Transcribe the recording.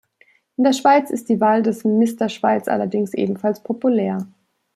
In der Schweiz ist die Wahl des Mister Schweiz allerdings ebenfalls populär.